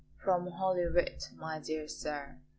"From Holy Writ, my dear sir.